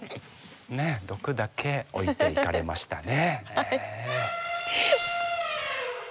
ねえ毒だけ置いていかれましたね。